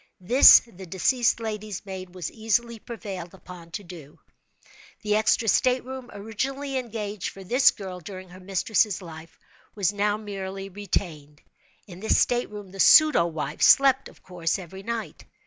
This the deceased lady's maid was easily prevailed on to do. The extra state room, originally engaged for this girl during her mistress' life, was now merely retained. In this state room the pseudo wife, slept, of course, every night.